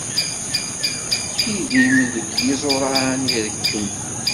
Idim deg yiẓuran irekkem.